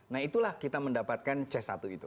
nah itulah kita mendapatkan c satu itu